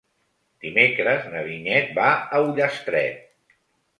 Dimecres na Vinyet va a Ullastret.